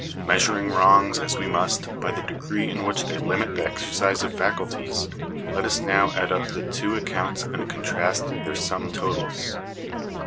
Measuring wrongs, as we must, by the degree in which they limit the exercise of faculties, let us now add up the two accounts and contrast their sum totals.